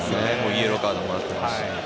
イエローカードをもらっていますし。